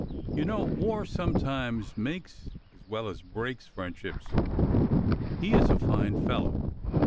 You know war sometimes makes, as well as breaks, friendships. He is a fine fellow."